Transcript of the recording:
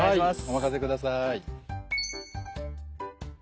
お任せください。